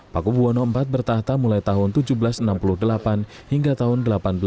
paku buwono iv bertahta mulai tahun seribu tujuh ratus enam puluh delapan hingga tahun seribu delapan ratus enam puluh